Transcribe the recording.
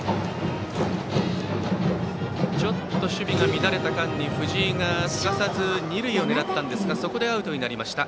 ちょっと守備が乱れた間に藤井がすかさず二塁を狙ったんですがそこでアウトになりました。